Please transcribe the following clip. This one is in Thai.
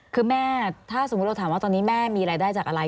คือแม่ถ้าสมมุติเราถามว่าตอนนี้แม่มีรายได้จากอะไร